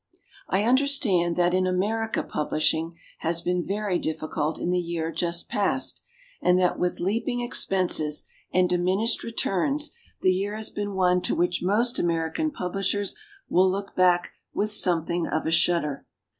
I UNDERSTAND that in America publishinfiT has been very difScult in the year just past, and that with leap ing expenses and diminished returns the year has been one to which most American publishers will look back with something of a shudder.